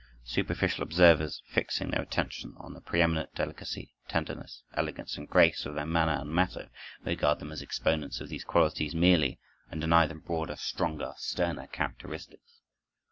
Superficial observers, fixing their attention on the preëminent delicacy, tenderness, elegance, and grace of their manner and matter, regard them as exponents of these qualities merely, and deny them broader, stronger, sterner characteristics.